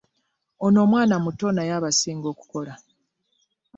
Ono omwana muto naye abasinga okukola.